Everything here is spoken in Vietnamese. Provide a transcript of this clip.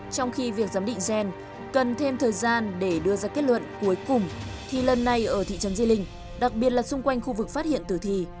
trong khi việc giám định gen cần thêm thời gian để đưa ra kết luận cuối cùng thì lần này ở thị trấn di linh đặc biệt là xung quanh khu vực phát hiện tử thi